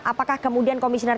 apakah kemudian komisioner